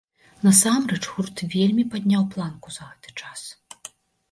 Насамрэч, гурт вельмі падняў планку за гэты час.